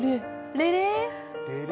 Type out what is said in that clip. レレ？